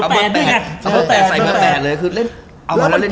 มือแปดด้วยอะเอาตัวแต่ใส่มือแปดเลย